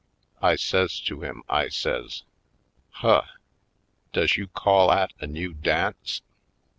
I says to him, I says: "Huh! Does you call 'at a new dance?"